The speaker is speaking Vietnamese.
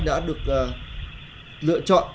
đã được lựa chọn